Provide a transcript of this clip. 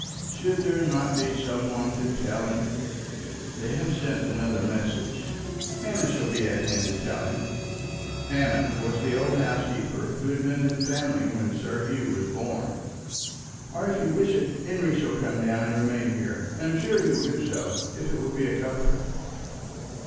Should there not be some one to tell him? They have sent another message." "Hannah shall be at hand to tell him." Hannah was the old housekeeper who had been in the family when Sir Hugh was born. "Or, if you wish it, Henry shall come down and remain here. I am sure he will do so, if it will be a comfort."